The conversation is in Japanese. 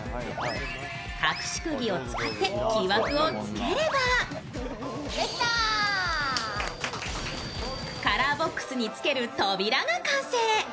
隠しくぎを使って木枠をつければカラーボックスにつける扉が完成。